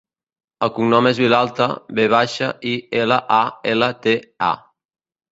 El cognom és Vilalta: ve baixa, i, ela, a, ela, te, a.